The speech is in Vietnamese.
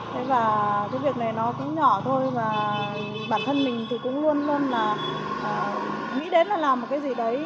thế và cái việc này nó cũng nhỏ thôi và bản thân mình thì cũng luôn luôn là nghĩ đến là làm một cái gì đấy